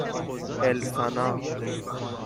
اِلسانا